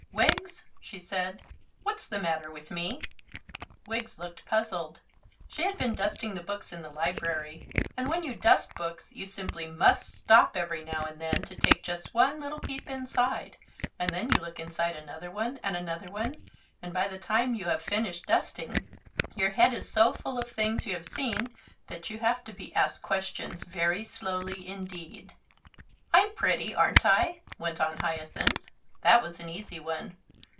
"Wiggs," she said, "what's the matter with me?" Wiggs looked puzzled. She had been dusting the books in the library; and when you dust books you simply must stop every now and then to take just one little peep inside, and then you look inside another one and another one, and by the time you have finished dusting, your head is so full of things you have seen that you have to be asked questions very slowly indeed. "I'm pretty, aren't I?" went on Hyacinth. That was an easy one.